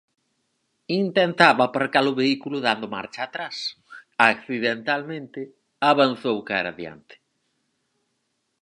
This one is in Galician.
Intentaba aparcar o vehículo dando marcha atrás, accidentalmente avanzou cara a adiante.